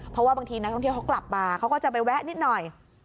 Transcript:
เพราะว่าบางทีนักท่องเที่ยวเขากลับมาเขาก็จะไปแวะนิดหน่อย